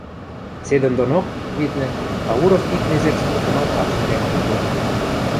Седӹндонок, виднӹ, Кауров ик незер суртымат анжен лӓкде кодыде.